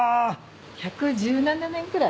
１１７年くらい。